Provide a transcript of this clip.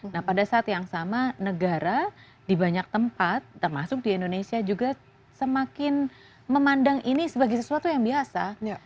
nah pada saat yang sama negara di banyak tempat termasuk di indonesia juga semakin memandang ini sebagai sesuatu yang biasa